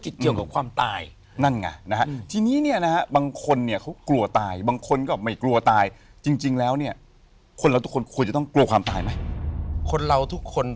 ช่วยดีครับสวัสดีครับตายครับ